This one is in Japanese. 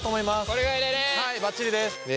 はいバッチリです。